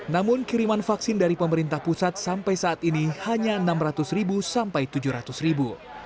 namun kiriman vaksin dari pemerintah pusat sampai saat ini hanya enam ratus ribu sampai tujuh ratus ribu